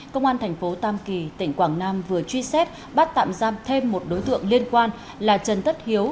công an thành phố tam kỳ tỉnh quảng nam vừa truy xét bắt tạm giam thêm một đối tượng liên quan là trần tất hiếu